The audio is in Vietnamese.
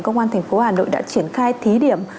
công an thành phố hà nội đã triển khai thí điểm